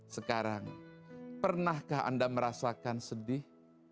sekarang pernahkah anda merasakan sedih